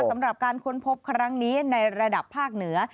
สำหรับการค้นพบครั้งนี้ในระดับภาคเหนือ